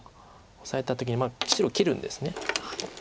オサえた時に白切るんです。